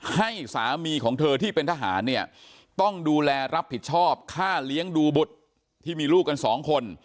ให้สามีของเธอที่เป็นทหารเนี่ยต้องดูแลรับผิดชอบค่าเลี้ยงดูบุตรที่มีลูกกันสองคน